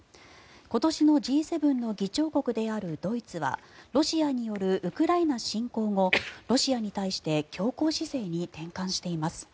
今年のＧ７の議長国であるドイツはロシアによるウクライナ侵攻後ロシアに対して強硬姿勢に転換しています。